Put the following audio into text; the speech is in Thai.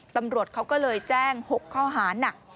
ตำรวจเขาก็เลยแจ้ง๖ข้อหานัก